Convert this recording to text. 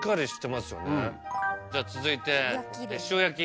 じゃあ続いて塩焼き。